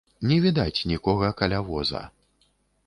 Не відаць нікога каля воза.